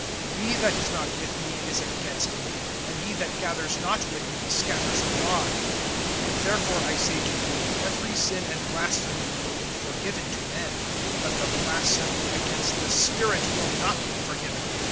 (30)He that is not with me is against me; and he that gathers not with me scatters abroad. (31)Therefore I say to you, every sin and blasphemy will be forgiven to men; but the blasphemy against the Spirit will not be forgiven.